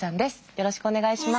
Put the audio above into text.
よろしくお願いします。